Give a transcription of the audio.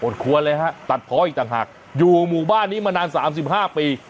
ควรเลยฮะตัดเพาะอีกต่างหากอยู่หมู่บ้านนี้มานาน๓๕ปี